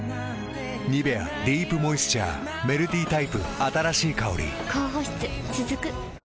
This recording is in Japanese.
「ニベアディープモイスチャー」メルティタイプ新しい香り高保湿続く。